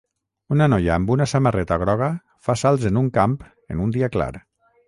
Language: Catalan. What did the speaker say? Una noia amb una samarreta groga fa salts en un camp en un dia clar.